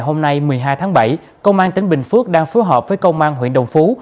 hôm nay một mươi hai tháng bảy công an tỉnh bình phước đang phối hợp với công an huyện đồng phú